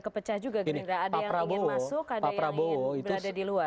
kepecah juga gerindra ada yang ingin masuk ada yang ingin berada di luar